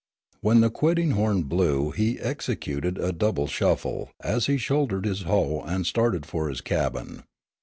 When the quitting horn blew he executed a double shuffle as he shouldered his hoe and started for his cabin.